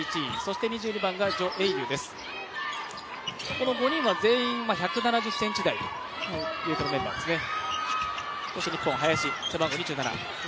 この５人は全員１７０ｃｍ台というメンバーですね。